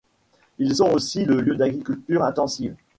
Ils sont aussi le lieu d'agricultures intensives.